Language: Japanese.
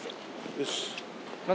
よし。